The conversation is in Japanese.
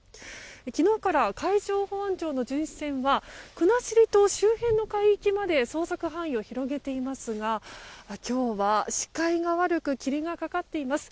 昨日から海上保安庁の巡視船は国後島周辺の海域まで捜索範囲を広げていますが今日は視界が悪く霧がかかっています。